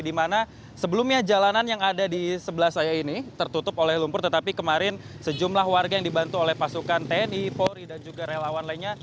di mana sebelumnya jalanan yang ada di sebelah saya ini tertutup oleh lumpur tetapi kemarin sejumlah warga yang dibantu oleh pasukan tni polri dan juga relawan lainnya